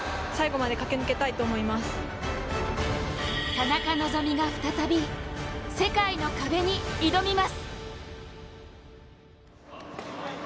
田中希実が再び世界の壁に挑みます。